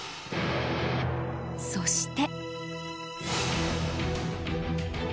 そして。